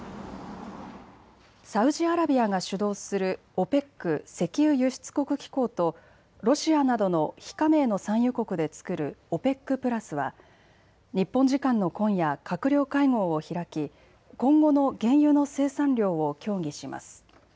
サウジアラビアが主導するＯＰＥＣ・石油輸出国機構とロシアなどの非加盟の産油国で作るＯＰＥＣプラスは日本時間の今夜、閣僚会合を開き今後の原油の生産量を協議します。